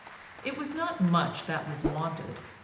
It was not much that was wanted.